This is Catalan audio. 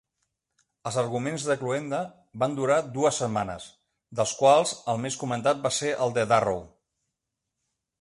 Els arguments de cloenda van durar dues setmanes, dels quals el més comentat va ser el de Darrow.